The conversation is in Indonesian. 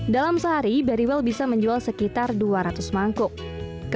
dalam sehari berry well bisa menjual sekitar dua ratus mangkuk